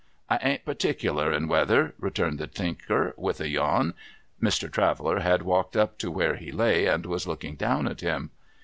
' I ain't partickler in weather,' returned the Tinker, with a yawn. Mr. Traveller had walked up to where he lay, and was looking down at him.